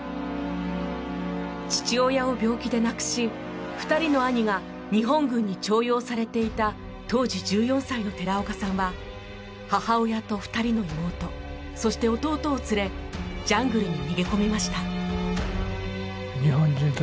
父親を病気で亡くし２人の兄が日本軍に徴用されていた当時１４歳の寺岡さんは母親と２人の妹そして弟を連れジャングルに逃げ込みました。